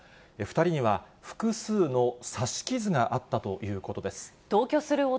２人には複数の刺し傷があったということです。